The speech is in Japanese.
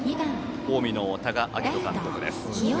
近江の多賀章仁監督です。